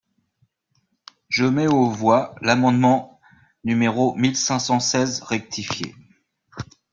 Je mets aux voix l’amendement numéro mille cinq cent seize rectifié.